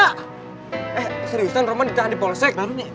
eh serius kan rumah ditahan di polsek